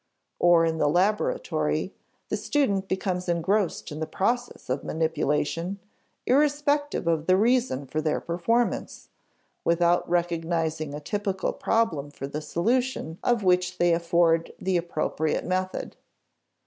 Or, in the laboratory, the student becomes engrossed in the processes of manipulation, irrespective of the reason for their performance, without recognizing a typical problem for the solution of which they afford the appropriate method.